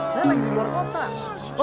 bati sudah sapa